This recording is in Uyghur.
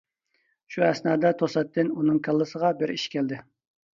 شۇ ئەسنادا توساتتىن ئۇنىڭ كاللىسىغا بىر ئىش كەلدى.